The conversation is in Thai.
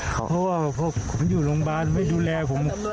เพราะว่าพอผมอยู่โรงพยาบาลไม่ดูแลผม